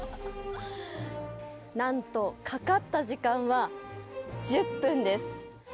なんと、かかった時間は１０分です。